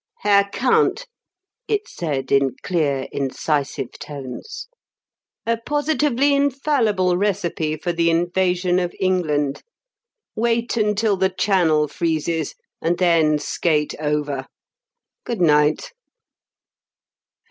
"Herr Count," it said in clear, incisive tones. "A positively infallible recipe for the invasion of England: Wait until the Channel freezes and then skate over. Good night!"